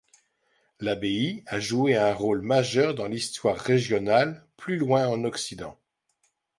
L'abbaye a joué un rôle majeur dans l'histoire régionale plus loin en Occident.